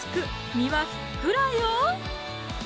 身はふっくらよ！